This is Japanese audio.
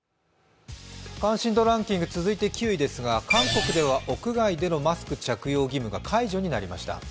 関心度ランキング続いて９位ですが韓国では、屋外でのマスク着用義務が解除になりました。